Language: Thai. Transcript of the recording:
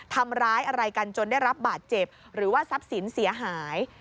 ทำร้ายอะไรกันจนได้รับบาดเจ็บหรือว่าทรัพย์สินเสียหาย